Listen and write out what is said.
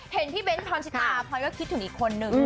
เห็นพี่เบ้นพรชิตาพลอยก็คิดถึงอีกคนนึง